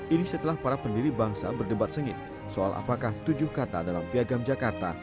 ini setelah para pendiri bangsa berdebat sengit soal apakah tujuh kata dalam piagam jakarta